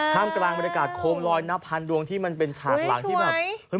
กลางบรรยากาศโคมลอยนับพันดวงที่มันเป็นฉากหลังที่แบบ